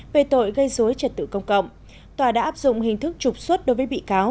về tội gây dối trật tự công cộng tòa đã áp dụng hình thức trục xuất đối với bị cáo